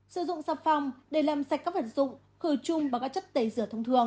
sử dụng xà phòng để làm sạch các vật dụng khử chung bằng các chất tẩy rửa thông thường